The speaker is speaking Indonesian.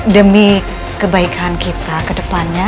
demi kebaikan kita kedepannya